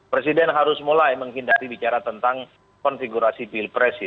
presiden harus mulai menghindari bicara tentang konfigurasi pilpres